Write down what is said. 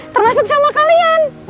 termasuk sama kalian